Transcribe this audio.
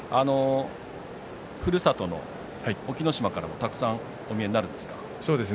ふるさとの隠岐の島からもたくさんお見えなるんですか。